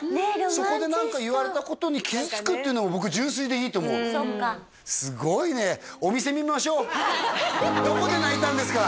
そこで何か言われたことに傷つくっていうのも僕純粋でいいと思うそっかすごいねお店見ましょうどこで泣いたんですか？